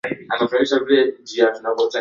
bei za masoko zinabadilika kwa siku